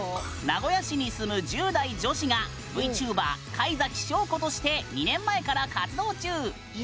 名古屋市に住む１０代女子がＶＴｕｂｅｒ怪崎ショウ子として２年前から活動中。